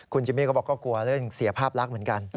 คุณจิมมี่เขาบอกก็กลัวเลยเสียภาพรักเหมือนกัน